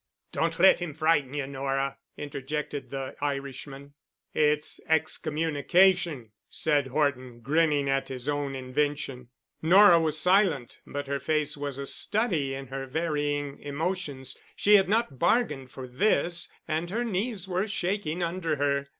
"Don't let him frighten you, Nora," interjected the Irishman. "It's Excommunication," said Horton, grinning at his own invention. Nora was silent but her face was a study in her varying emotions. She had not bargained for this, and her knees were shaking under her.